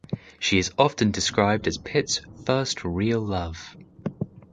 She is often described as Pitt's first real love.